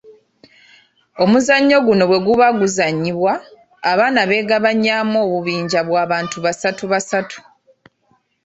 "Omuzannyo guno bwe guba guzannyibwa, abaana beegabanyaamu obubinja bw’abantu basatu basatu."